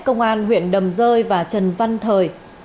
công an huyện đầm rơi và trần văn thời